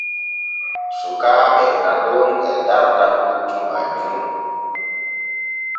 Sukaaɓe naɗon e darta puccu majjunu.